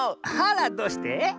あらどうして？